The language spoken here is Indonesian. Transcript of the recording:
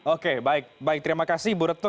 oke baik baik terima kasih bu retno